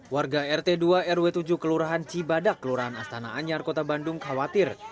warga rt dua rw tujuh kelurahan cibadak kelurahan astana anyar kota bandung khawatir